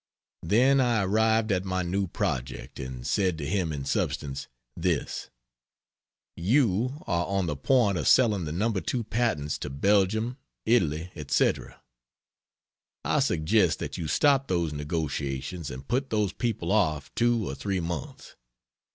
Then I arrived at my new project, and said to him in substance, this: "You are on the point of selling the No. 2 patents to Belgium, Italy, etc. I suggest that you stop those negotiations and put those people off two or three months.